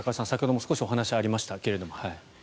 先ほども少しお話がありましたけれども。